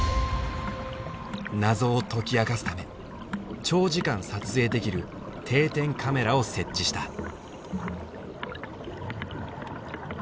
謎を解き明かすため長時間撮影できる定点カメラを設置した。